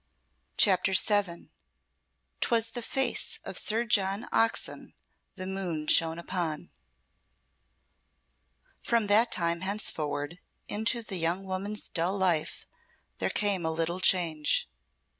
CHAPTER VII 'Twas the face of Sir John Oxon the moon shone upon From that time henceforward into the young woman's dull life there came a little change.